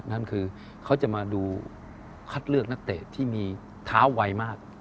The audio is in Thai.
นั่นคือเขาจะมาดูคัดเลือกนักเตะที่มีเท้าไวมาก